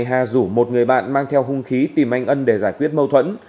hà rủ một người bạn mang theo hung khí tìm anh ân để giải quyết mâu thuẫn